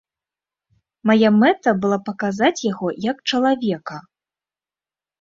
Мая мэта была паказаць яго, як чалавека.